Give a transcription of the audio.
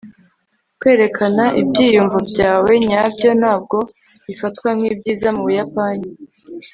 kwerekana ibyiyumvo byawe nyabyo ntabwo bifatwa nkibyiza mubuyapani